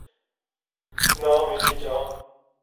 نہ مری جاں